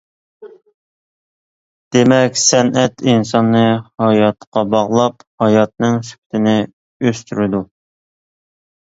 دېمەك، سەنئەت ئىنساننى ھاياتقا باغلاپ، ھاياتنىڭ سۈپىتىنى ئۆستۈرىدۇ.